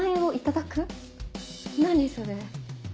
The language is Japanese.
何それ。